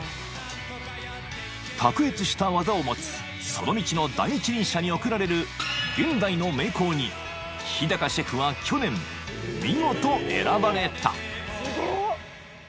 ［卓越した技を持つその道の第一人者に贈られる現代の名工に日シェフは去年見事選ばれた］